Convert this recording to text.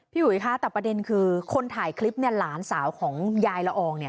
พี่หวยคะแต่ประเด็นคือคนถ่ายคลิปเนี่ยหลานสาวของยายละอองเนี่ย